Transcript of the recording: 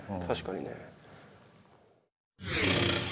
確かにね。